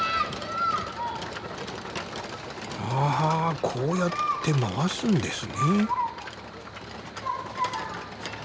ははあこうやって回すんですね。